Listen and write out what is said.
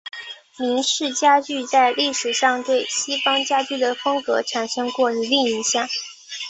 明式家具在历史上对西方家具的风格产生过一定影响。